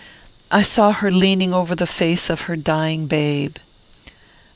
I saw her leaning over the face of her dying babe."